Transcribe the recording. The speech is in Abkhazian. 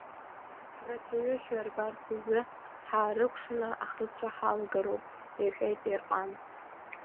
Ҳрацәаҩушәа рбарц азы, ҳаарыкәшаны ахысра ҳалагароуп, – иҳәеит Ерҟан.